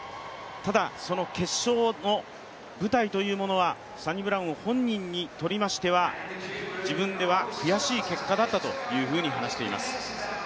ただ、その決勝の舞台というものはサニブラウン本人にとりましては自分では悔しい結果だったというふうに話しています。